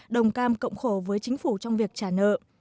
đồng cam cộng khổ với chính phủ trong việc trả nợ